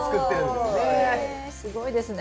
すごいですね。